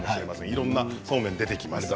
いろんなそうめんが出てきます。